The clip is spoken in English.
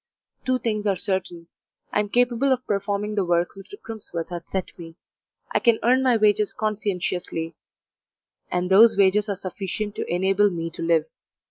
Two things are certain. I am capable of performing the work Mr. Crimsworth has set me; I can earn my wages conscientiously, and those wages are sufficient to enable me to live.